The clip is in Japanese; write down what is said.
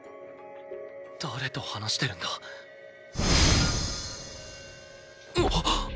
誰と話してるんだ⁉っ！！っ